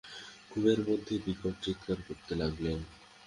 ঘুমের মধ্যেই বিকট চিৎকার করতে লাগলেন।